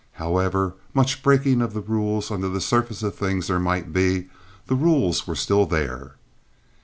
However, much breaking of the rules under the surface of things there might be, the rules were still there.